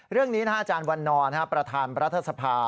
เรื่องนี้อาจารย์วันนอนประธานรัฐสภา